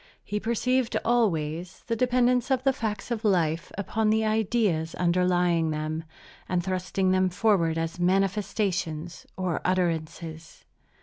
He perceived, always, the dependence of the facts of life upon the ideas underlying them, and thrusting them forward as manifestations or utterances.